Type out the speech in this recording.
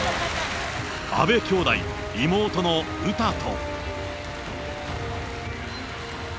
阿部兄妹、妹の詩と。